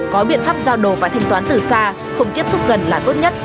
có biện pháp giao đồ và thanh toán từ xa không tiếp xúc gần là tốt nhất